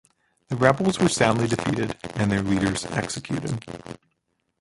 The rebels were soundly defeated and their leaders executed.